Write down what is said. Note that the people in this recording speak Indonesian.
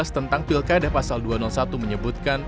tentang pilkada pasal dua ratus satu menyebutkan